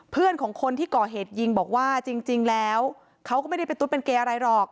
เพื่อนของคนที่ก่อเหตุยิงบอกว่าจริงแล้วเขาก็ไม่ได้เป็นตุ๊ดเป็นเกย์อะไรหรอก